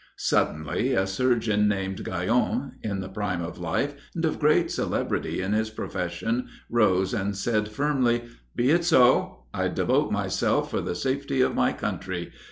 Suddenly, a surgeon named Guyon, in the prime of life, and of great celebrity in his profession, rose and said firmly, "Be it so: I devote myself for the safety of my country.